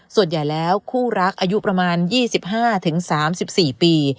ส่วนใหญ่แล้วคู่รักอายุประมาณ๒๕๓๔ปี